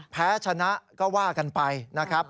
แพ้ชนะก็ว่ากันไปนะครับ